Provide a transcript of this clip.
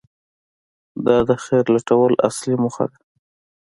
• دا د خیر لټول اصلي موخه وه.